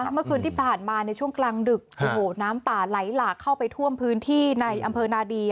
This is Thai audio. เมื่อคืนที่ผ่านมาในช่วงกลางดึกโอ้โหน้ำป่าไหลหลากเข้าไปท่วมพื้นที่ในอำเภอนาดี